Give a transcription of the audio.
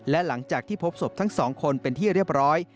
และหลังจากที่พบศพทั้งสองคนเป็นที่เรียบร้อย